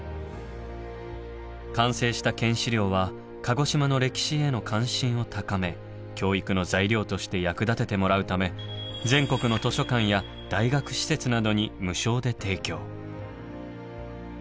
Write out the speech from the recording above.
完成した県史料は鹿児島の歴史への関心を高め教育の材料として役立ててもらうため全国の図書館や大学施設などに無償で提供。